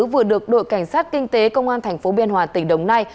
vừa được đội cảnh sát kinh tế công an tp biên hòa tỉnh đồng nai